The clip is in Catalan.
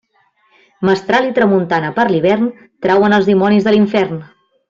Mestral i tramuntana per l'hivern trauen els dimonis de l'infern.